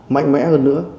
mạnh mẽ hơn nữa